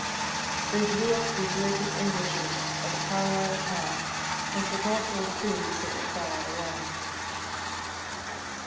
They drew up wi' glaikit Englishers at Carlisle Ha', And forgot auld frien's that were far awa.